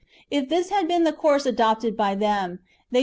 If this had been the course adopted by them, they should ^